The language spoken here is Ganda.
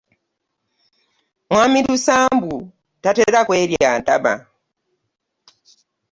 Mwami Lusambu tatera kwerya ntama.